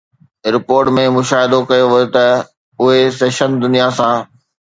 report ۾ مشاهدو ڪيو ويو ته اهي سيشن دنيا سان